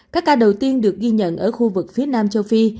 các ca đầu tiên được ghi nhận ở khu vực phía nam châu phi